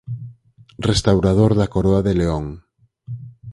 Restaurador da coroa de León.